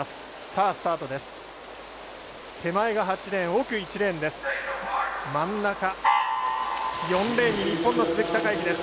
さあ、スタートです。